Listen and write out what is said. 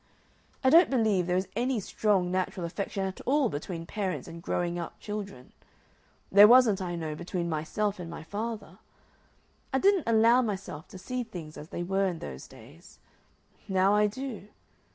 I don't believe there is any strong natural affection at all between parents and growing up children. There wasn't, I know, between myself and my father. I didn't allow myself to see things as they were in those days; now I do.